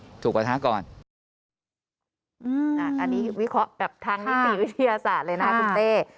อันนี้วิเคราะห์แบบทางนิติวิทยาศาสตร์เลยนะคุณเต้